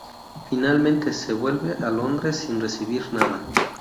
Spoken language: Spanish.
Finalmente se vuelve a Londres sin recibir nada.